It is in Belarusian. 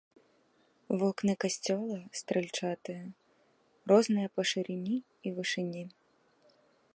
Вокны касцёла стральчатыя, розныя па шырыні і вышыні.